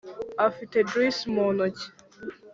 afite juicy mu ntoki